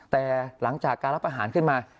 แต่หลังจากการรับอาหารขึ้นมา